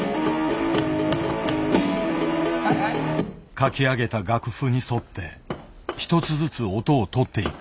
書き上げた楽譜に沿って１つずつ音をとっていく。